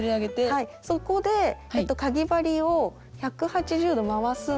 そこでかぎ針を１８０度回すんです。